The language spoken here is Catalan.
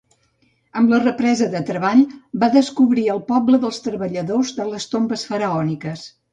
Amb la represa de treball, va descobrir el poble dels treballadors de les tombes faraòniques.